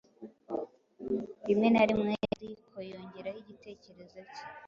Rimwe na rimwe arikoyongeyeho igitekerezo cye